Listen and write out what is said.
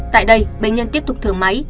tại đây bệnh nhân tiếp tục thử máy